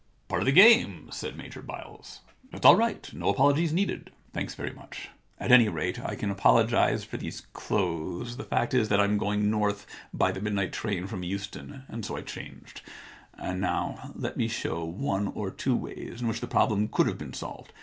Part of the game,' said Major Byles. * That's all right. No apologies needed.' * Thanks very much. At any rate I can ii6 The Identity Problem apologise for these clothes. The fact is that Vm going North by the midnight train from Euston, and so I changed. And now let me show one or two ways in which the prob lem could have been solved.